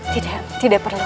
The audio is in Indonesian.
tidak tidak perlu